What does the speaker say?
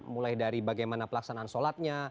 mulai dari bagaimana pelaksanaan sholatnya